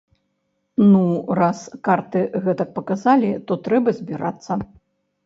Ну, раз карты гэтак паказалі, то трэба збірацца.